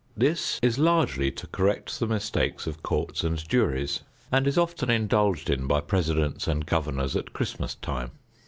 This is largely to correct the mistakes of courts and juries and is often indulged in by presidents and governors at Christmas time.